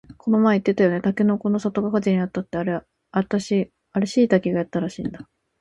この前言ってたよね、たけのこの里が火事にあったってあれしいたけがやったらしいんだ